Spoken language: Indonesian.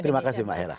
terima kasih mbak hera